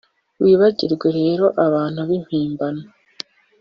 wibagirwe rero abantu b'impimbano